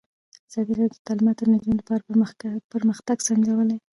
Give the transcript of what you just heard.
ازادي راډیو د تعلیمات د نجونو لپاره پرمختګ سنجولی.